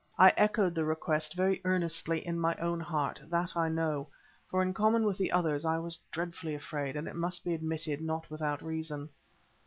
I echoed the request very earnestly in my own heart, that I know, for in common with the others I was dreadfully afraid, and it must be admitted not without reason.